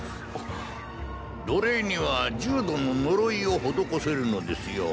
奴隷には重度の呪いを施せるのですよ。